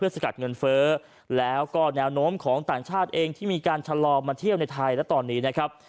สกัดเงินเฟ้อแล้วก็แนวโน้มของต่างชาติเองที่มีการชะลอมาเที่ยวในไทยและตอนนี้นะครับ